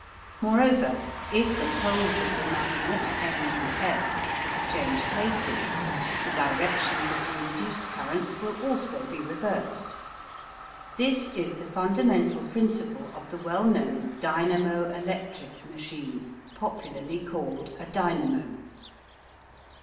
Moreover, if the poles of the magnet N and S exchange places, the directions of the induced currents will also be reversed. This is the fundamental principle of the well known dynamo electric machine, popularly called a dynamo.